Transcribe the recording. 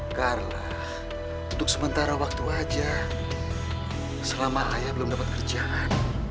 gak adalah untuk sementara waktu aja selama ayah belum dapat kerjaan